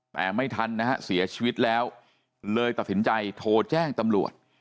แต่ไม่ทันนะฮะเสียชีวิตแล้วเลยตัดสินใจโทรแจ้งตำรวจ